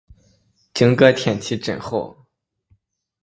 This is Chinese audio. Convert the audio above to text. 今天天气真好。